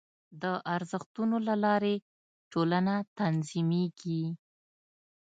د ارزښتونو له لارې ټولنه منظمېږي.